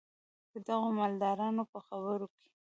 د دغو مالدارانو په خبرو کې.